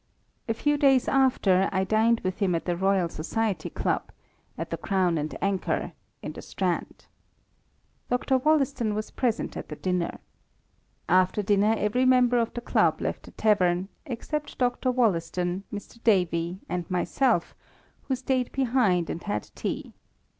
A few days after I dined with him at the Royal Society Club, at the Crown and Anchor, in the Strand. Dr. Wollaston was present at the dinner. After dinner every mem ber of the club left the tavern, except Dr. Wollaston, Mr. Davy, and myself, who staid behind and had tea.